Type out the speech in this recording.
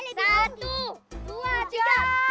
lompat satu dua tiga